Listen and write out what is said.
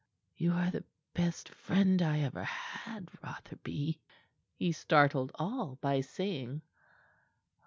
"You are the best friend I ever had, Rotherby," he startled all by saying.